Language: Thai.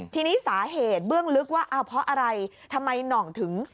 ทีนี้สาเหตุเบื้องลึกว่าอ้าวเพราะอะไรทำไมหน่องถึง